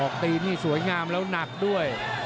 ตีนี่สวยงามแล้วหนักด้วย